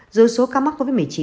dù số ca mắc covid một mươi chín